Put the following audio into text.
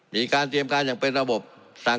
รัฐบาลพยายามนี้มาตาม